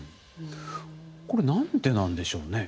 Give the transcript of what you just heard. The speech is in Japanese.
これ何でなんでしょうね？